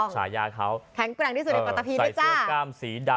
ถูกต้องแข็งแกร่งที่สุดในประตาภีร์ด้วยจ้าใส่เสื้อกล้ามสีดำ